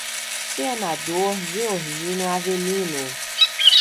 Senador Georgino Avelino